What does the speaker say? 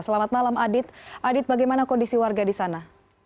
selamat malam adit adit bagaimana kondisi warga di sana